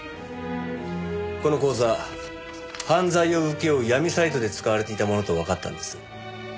この口座犯罪を請け負う闇サイトで使われていたものとわかったんですよ。